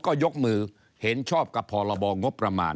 ก็จะมาจับทำเป็นพรบงบประมาณ